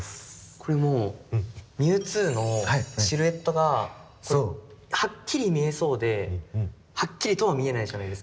これもうミュウツーのシルエットがはっきり見えそうではっきりとは見えないじゃないですか。